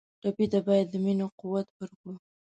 ټپي ته باید د مینې قوت ورکړو.